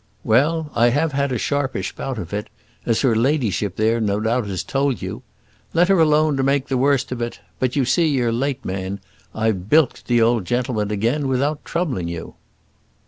Well, I have had a sharpish bout of it, as her ladyship there no doubt has told you. Let her alone to make the worst of it. But, you see, you're too late, man. I've bilked the old gentleman again without troubling you."